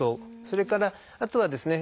それからあとはですね